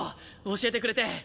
教えてくれて。